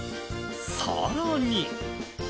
更に。